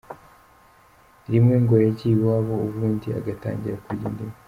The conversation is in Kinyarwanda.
Rimwe ngo yagiye iwabo ubundi agatangira kurya indimi.”